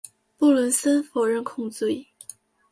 布伦森否认控罪。